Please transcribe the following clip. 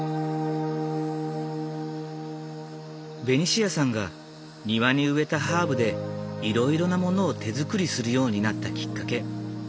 ベニシアさんが庭に植えたハーブでいろいろなものを手づくりするようになったきっかけ。